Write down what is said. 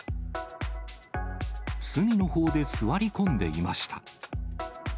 隅のほうで座り込んでいました。